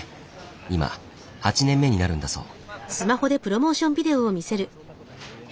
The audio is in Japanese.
今８年目になるんだそう。